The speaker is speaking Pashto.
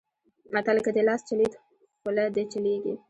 متل؛ که دې لاس چلېد؛ خوله دې چلېږي.